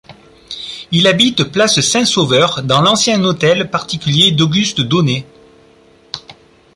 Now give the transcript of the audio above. Il habite place Saint-Sauveur dans l'ancien hôtel particulier d'Auguste Donnet.